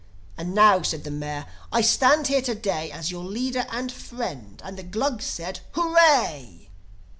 "And now," said the Mayor, "I stand here to day As your leader and friend." And the Glugs said, "Hooray!"